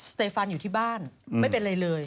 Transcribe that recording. เตฟันอยู่ที่บ้านไม่เป็นไรเลย